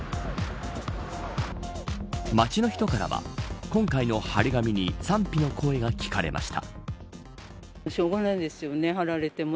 街の人からは今回の張り紙に賛否の声が聞かれました。